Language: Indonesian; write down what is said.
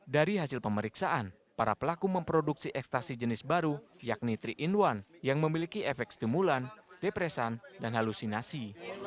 dari hasil pemeriksaan para pelaku memproduksi ekstasi jenis baru yakni tiga in satu yang memiliki efek stimulan depresan dan halusinasi